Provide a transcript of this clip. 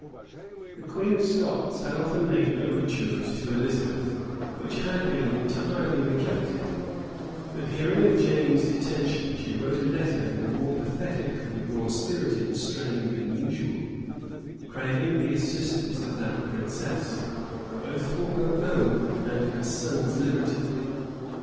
The queen of Scots had often made overtures to Elizabeth, which had been entirely neglected; but hearing of James's detention, she wrote a letter in a more pathetic and more spirited strain than usual; craving the assistance of that princess, both for her own and her son's liberty.